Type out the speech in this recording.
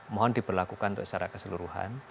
mohon diberlakukan untuk secara keseluruhan